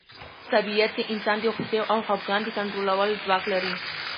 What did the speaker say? طبیعت د انسان د غوسې او خپګان د کنټرولولو ځواک لري.